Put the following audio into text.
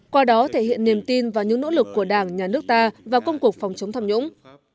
qua đó thể hiện niềm tin và những nỗ lực của đảng nhà nước ta vào công cuộc phòng chống tham nhũng